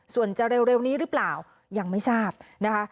ส่วนจะเร็วนี้หรือเปล่ายังไม่ทราบนะคะ